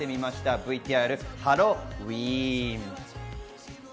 ＶＴＲハロウィーン。